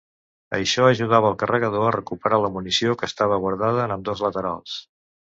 Això ajudava el carregador a recuperar la munició que estava guardada en ambdós laterals.